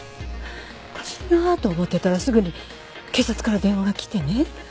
おかしいなと思ってたらすぐに警察から電話が来てね